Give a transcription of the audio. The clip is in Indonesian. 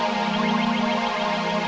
sampai jumpa lagi